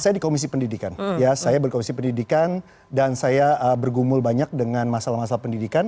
saya di komisi pendidikan ya saya berkomisi pendidikan dan saya bergumul banyak dengan masalah masalah pendidikan